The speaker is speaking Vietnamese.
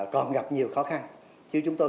còn gặp nhiều khó khăn chứ chúng tôi